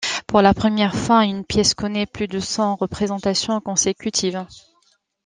Pour la première fois, une pièce connaît plus de cent représentations consécutives.